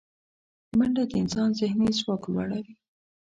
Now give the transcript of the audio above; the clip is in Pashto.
منډه د انسان ذهني ځواک لوړوي